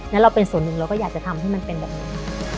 แล้วเราเป็นส่วนหนึ่งเราก็อยากจะทำให้มันเป็นแบบนี้